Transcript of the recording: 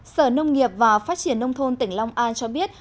sở nông nghiệp và phát triển nông thôn tỉnh long an cho biết